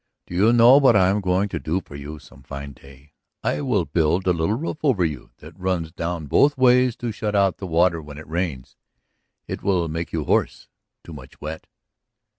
"Do you know what I am going to do for you some fine day? I will build a little roof over you that runs down both ways to shut out the water when it rains. It will make you hoarse, too much wet."